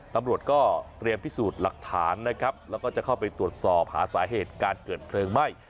ตำรวจก็เตรียมพิสูจน์หลักฐานนะครับแล้วก็จะเข้าไปตรวจสอบหาสาเหตุการเกิดเพลิงไหม้